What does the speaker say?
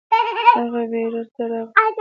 هغه بېرته راغله